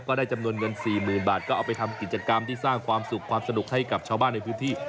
ได้จำนวนเงิน๔๐๐๐บาทก็เอาไปทำกิจกรรมที่สร้างความสุขความสนุกให้กับชาวบ้านในพื้นที่